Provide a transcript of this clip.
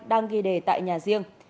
đang ghi đề tại nhà riêng